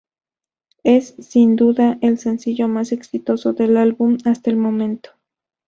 Es, sin duda, el sencillo más exitoso del álbum hasta el momento.